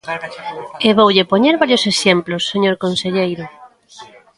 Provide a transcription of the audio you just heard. E voulle poñer varios exemplos, señor conselleiro.